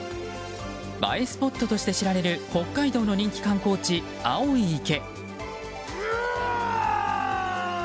映えスポットとして知られる北海道の人気観光地、青い池。